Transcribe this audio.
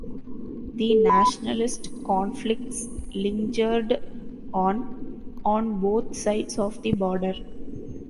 The nationalist conflicts lingered on, on both sides of the border.